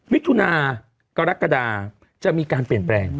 มิถุนากรกฎาจะมีการเปลี่ยนแปลง